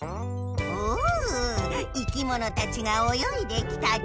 お生きものたちがおよいできたぞ。